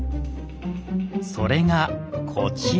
それがこちら。